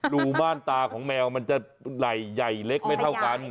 รูบ้านตาของแมวมันจะไหล่ใหญ่เล็กไม่เท่ากัน